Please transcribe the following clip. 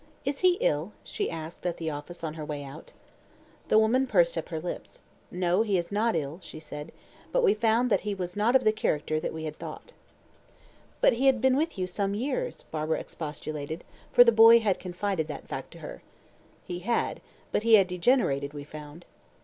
"Is he ill?" she asked at the office on her way out. The woman pursed up her lips; "No, he is not ill," she said. "But we found that he was not of the character that we thought." "But he had been with you some years," Barbara expostulated, for the boy had confided that fact to her. "He had, but he had degenerated, we found."